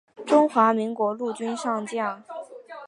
中华民国陆军上将。